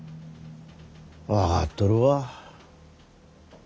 分かっとるわ。